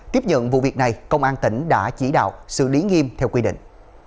tiếp nhận vụ việc này công an tỉnh đã chỉ đạo xử lý nghiêm theo quy định